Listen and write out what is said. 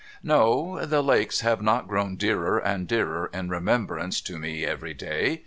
' No. The lakes have not grown dearer and dearer In re membrance to me every day.